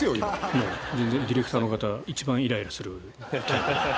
もう全然ディレクターの方一番イライラするタイプだと思います。